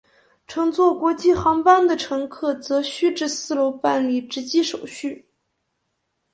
乘坐国际航班的乘客则需至四楼办理值机手续。